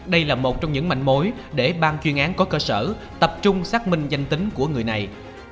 đây là một trong những mạnh mối để ban chuyên án có cơ sở tập trung xác minh danh tính của người này